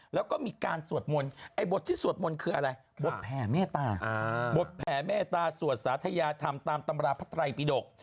แล้วก็มีการสวดมนต์ไอ้บทที่สวดมนต์คืออะไรบทแผ่เมตตาบทแผ่เมตตาสวดสาธยาธรรมตามตำราพระไตรปิดก